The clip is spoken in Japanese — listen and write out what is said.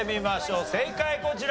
正解こちら。